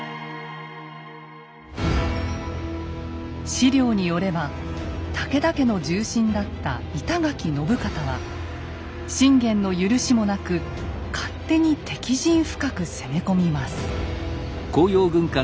史料によれば武田家の重臣だった板垣信方は信玄の許しもなく勝手に敵陣深く攻め込みます。